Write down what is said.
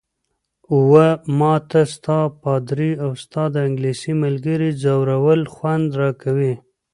اوه، ما ته ستا، پادري او ستا د انګلیسۍ ملګرې ځورول خوند راکوي.